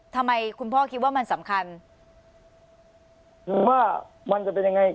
คุณพ่อคิดว่ามันสำคัญว่ามันจะเป็นยังไง